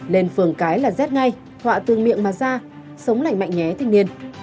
lên phường cái là rét ngay họa từng miệng mà ra sống lạnh mạnh nhé thanh niên